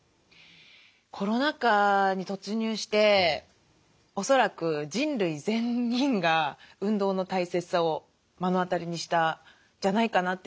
コロナ禍に突入しておそらく人類全員が運動の大切さを目の当たりにしたんじゃないかなというふうに。